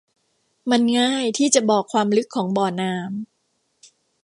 มันง่ายที่จะบอกความลึกของบ่อน้ำ